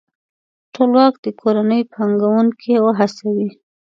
ټولواک دې کورني پانګوونکي وهڅوي.